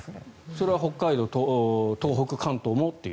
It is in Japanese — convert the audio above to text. それは北海道、東北、関東もという。